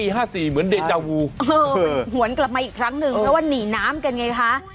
เหมือนเดจาวูหวนกลับมาอีกครั้งหนึ่งเพราะว่าหนีน้ำกันไงคะ